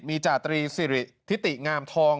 มีจาตรีธิติงามทอง